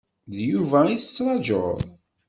D Yuba i tettrajuḍ?